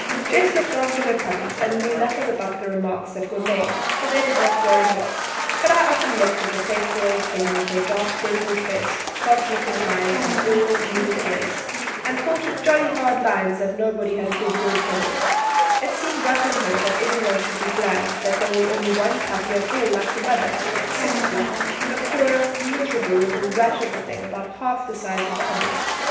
Jess looked after her puppies and knew nothing about the remarks that were made, so they did not worry her, but I often looked at the faithful old thing with her dark brindled face, cross looking eyes and always moving ears, and thought it jolly hard lines that nobody had a good word for her; it seemed rough on her that every one should be glad there was only one puppy at all like the mother the sixth one, a poor miserable little rat of a thing about half the size of the others.